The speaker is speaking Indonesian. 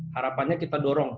harapannya kita dorong